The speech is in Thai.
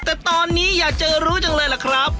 แต่ตอนนี้อยากจะรู้จังเลยล่ะครับ